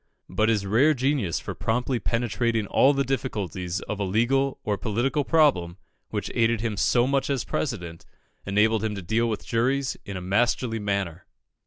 But his rare genius for promptly penetrating all the difficulties of a legal or political problem, which aided him so much as President, enabled him to deal with juries in a masterly manner.